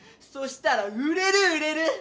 そしたら売れる売れる！